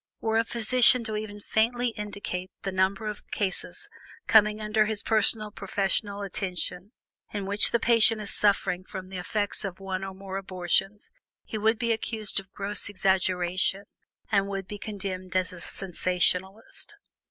Were a physician to even faintly indicate the number of cases coming under his personal professional attention, in which the patient is suffering from the effects of one or more abortions, he would be accused of gross exaggeration, and would be condemned as a sensationalist.